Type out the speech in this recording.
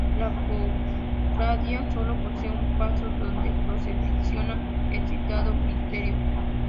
La cofradía solo posee un paso, donde procesiona el citado misterio.